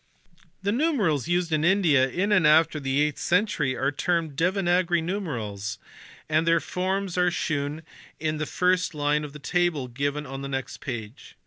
The numerals used in India in and after the eighth century are termed Devanagari numerals and their forms are shewn in the first line of the table given on the next page.